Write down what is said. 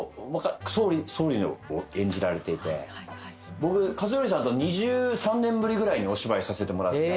僕克典さんと２３年ぶりぐらいにお芝居させてもらったんです。